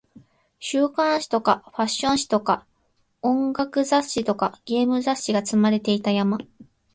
週刊誌とかファッション誌とか音楽雑誌とかゲーム雑誌が積まれていた山